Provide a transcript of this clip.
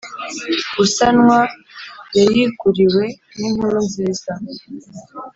Gusanwa yayiguriwe n inkuru nziza